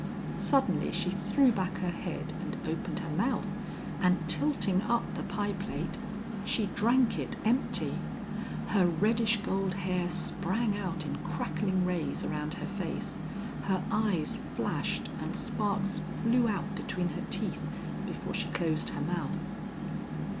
Suddenly she threw back her head and opened her mouth, and tilting up the pie plate she drank it empty. Her reddish gold hair sprang out in crackling rays around her face, her eyes flashed and sparks flew out between her teeth before she closed her mouth.